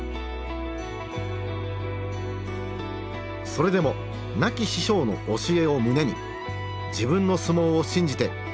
それでも亡き師匠の教えを胸に自分の相撲を信じて土俵に上がり続けた。